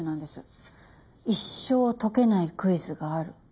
「一生解けないクイズがある。